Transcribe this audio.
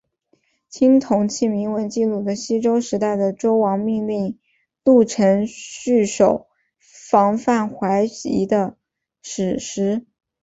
青铜器铭文记录了西周时代的周王命令录伯戍守防范淮夷的史实。